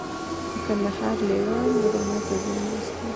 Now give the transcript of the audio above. د کندهار لیوان رمو ته زیان رسوي؟